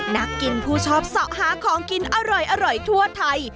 นักกินผู้ชอบเสาะหาของกินอร่อยทั่วไทย